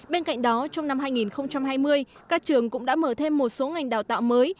bên cạnh đó trong năm hai nghìn hai mươi các trường cũng đã mở thêm một số ngành đào tạo mới